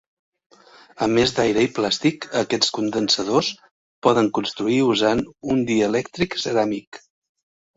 A més d'aire i plàstic, aquests condensadors poden construir usant un dielèctric ceràmic.